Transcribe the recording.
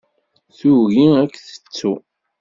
Tugi ad k-tettu.